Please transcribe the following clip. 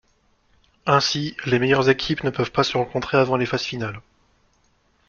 Ainsi, les meilleures équipes ne peuvent pas se rencontrer avant les phases finales.